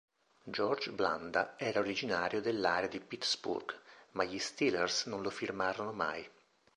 George Blanda era originario dell'area di Pittsburgh, ma gli Steelers non lo firmarono mai.